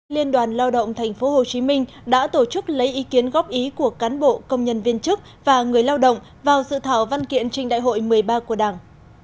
liên đoàn lao động tp hcm đã tổ chức lấy ý kiến góp ý của cán bộ công nhân viên chức và người lao động vào dự thảo văn kiện trình đại hội một mươi ba của đảng